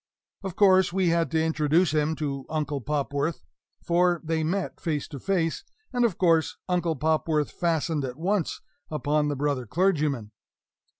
Of course we had to introduce him to Uncle Popworth for they met face to face; and of course Uncle Popworth fastened at once upon the brother clergyman.